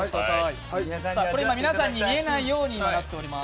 皆さんに見えないようになっています。